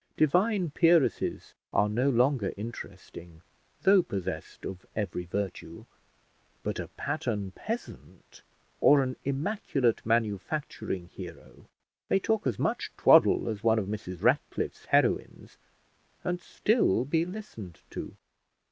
Divine peeresses are no longer interesting, though possessed of every virtue; but a pattern peasant or an immaculate manufacturing hero may talk as much twaddle as one of Mrs Ratcliffe's heroines, and still be listened to.